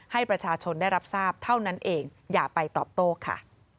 ให้ประชาชนได้รับทราบเท่านั้นเองอย่าไปตอบโต้ค่ะ